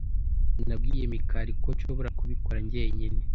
Nabwiye Mikali ko nshobora kubikora njyenyine.